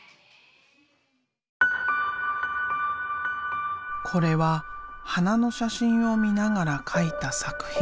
これは花の写真を見ながら描いた作品。